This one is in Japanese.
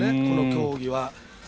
この競技は。